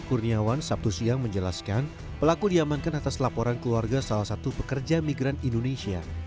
kurniawan sabtu siang menjelaskan pelaku diamankan atas laporan keluarga salah satu pekerja migran indonesia